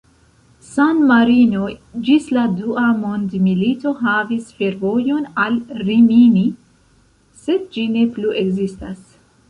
San-Marino ĝis la Dua mondmilito havis fervojon al Rimini, sed ĝi ne plu ekzistas.